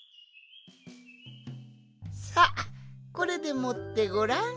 さっこれでもってごらん。